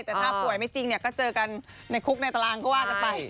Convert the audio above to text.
แต่ถ้าป่วยไม่จริงก็เจอกันในคุกในตารางก็ว่ากันไป